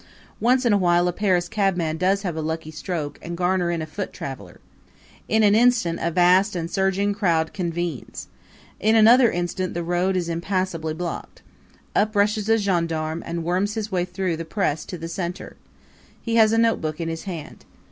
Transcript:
Once in a while a Paris cabman does have a lucky stroke and garner in a foot traveler. In an instant a vast and surging crowd convenes. In another instant the road is impassably blocked. Up rushes a gendarme and worms his way through the press to the center. He has a notebook in his hand.